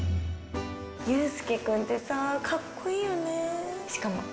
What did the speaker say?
雄介君てさ、かっこいいよね。